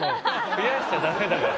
増やしちゃダメだから。